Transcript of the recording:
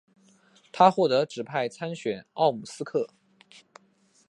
他获得指派参选奥姆斯克。